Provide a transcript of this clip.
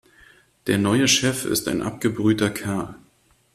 Der neue Chef ist ein abgebrühter Kerl.